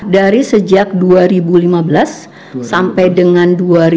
dari sejak dua ribu lima belas sampai dengan dua ribu dua puluh dua